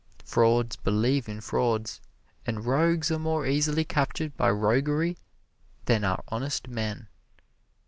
Frauds believe in frauds, and rogues are more easily captured by roguery than are honest men.